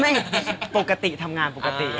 ไม่ปกติทำงานปกติครับ